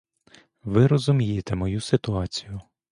Ви розумієте мою ситуацію.